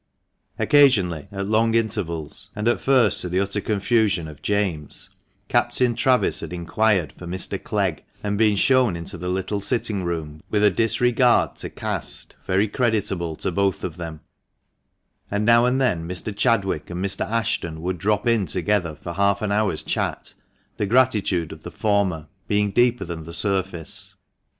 Occasionally, at long intervals, and at first to the utter confusion of James, Captain Travis had inquired for "Mr. Clegg," and been shown into the little sitting room with a disregard to " caste " very creditable to both of them ; and now and then Mr. Chadwick and Mr. Ashton would drop in together for half an hour's chat, the gratitude of the former being deeper than the surface.